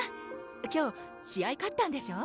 今日試合勝ったんでしょ？